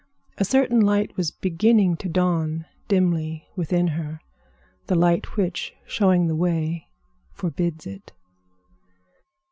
A certain light was beginning to dawn dimly within her,—the light which, showing the way, forbids it.